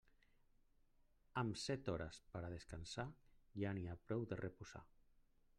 Amb set hores per a descansar, ja n'hi ha prou de reposar.